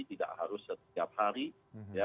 tidak harus setiap hari ya